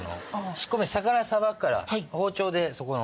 仕込み魚さばくから包丁でそこの。